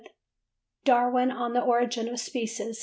"Darwin on The Origin of Species.